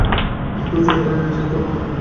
চোর চুরি করে নিয়ে যাক, তাতে আমাদের কী?